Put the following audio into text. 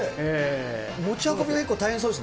持ち運びが結構大変そうです